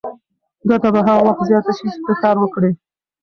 ګټه به هغه وخت زیاته شي چې ته کار وکړې.